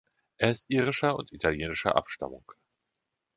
Er ist irischer und italienischer Abstammung.